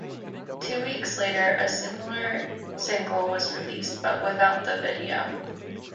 Two weeks later, a similar single was released, but without the video.